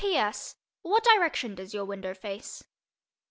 P. S. What direction does your window face?